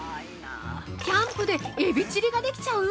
◆キャンプでエビチリができちゃう！？